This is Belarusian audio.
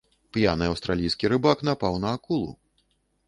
П'яны аўстралійскі рыбак напаў на акулу.